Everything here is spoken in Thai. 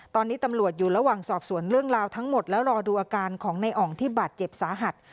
ตอนนี้ตำรวจอยู่ระหว่างสอบสวนเรื่องราวทั้งหมดแล้วรอดูอาการของในอ่องที่บาดเจ็บสาหัส